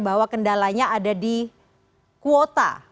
bahwa kendalanya ada di kuota